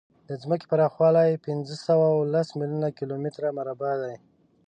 د ځمکې پراخوالی پینځهسوهلس میلیونه کیلومتره مربع دی.